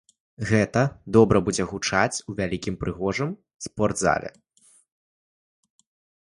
Гэта добра будзе гучаць у вялікім прыгожым спартзале.